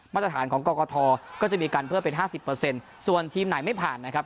มาตรฐานของกรกธก็จะมีการเพิ่มเป็นห้าสิบเปอร์เซ็นต์ส่วนทีมไหนไม่ผ่านนะครับ